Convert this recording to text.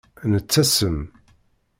Nettasem.